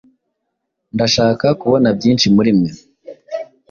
Ndashaka kubona byinshi muri mwe.